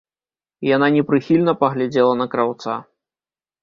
Яна непрыхільна паглядзела на краўца.